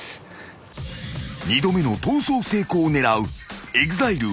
［二度目の逃走成功を狙うＥＸＩＬＥ